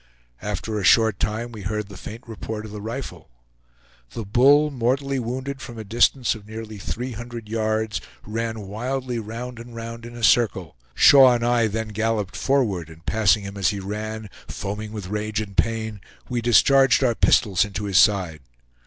After a short time we heard the faint report of the rifle. The bull, mortally wounded from a distance of nearly three hundred yards, ran wildly round and round in a circle. Shaw and I then galloped forward, and passing him as he ran, foaming with rage and pain, we discharged our pistols into his side.